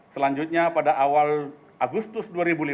selanjutnya pada awal agustus dua ribu lima belas